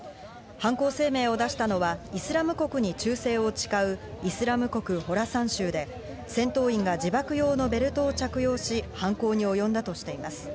犯行声明を出したのはイスラム国に忠誠を誓うイスラム国ホラサン州で、戦闘員が自爆用のベルトを着用し、犯行に及んだとしています。